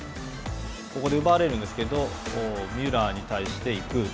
ここで奪われるんですけどミュラーに対して行く。